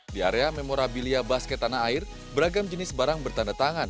di area memorabilia basket tanah air beragam jenis barang bertanda tangan